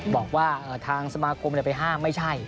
บอกว่าทางสมาคมไปห้ามไม่ใช่